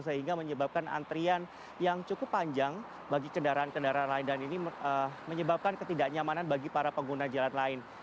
sehingga menyebabkan antrian yang cukup panjang bagi kendaraan kendaraan lain dan ini menyebabkan ketidaknyamanan bagi para pengguna jalan lain